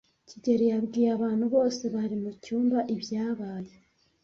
kigeli yabwiye abantu bose bari mucyumba ibyabaye.